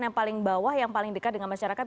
yang paling bawah yang paling dekat dengan masyarakat